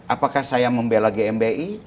apakah saya membela gmbi